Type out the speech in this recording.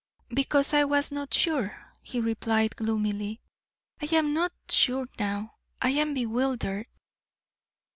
"Because I was not sure," he replied, gloomily. "I am not sure now I am bewildered."